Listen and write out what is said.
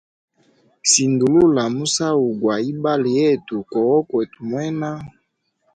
Sindulula musau gwa ibalo yetu ko wokwete mwena.